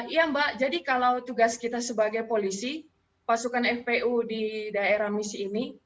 iya mbak jadi kalau tugas kita sebagai polisi pasukan fpu di daerah misi ini